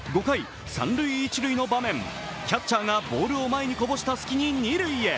５回三・一塁の場面、キャッチャーがボールをこぼした隙に二塁へ。